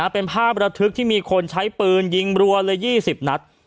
เป็นภาพระทึกที่มีคนใช้ปืนยิงรัวเลย๒๐นัด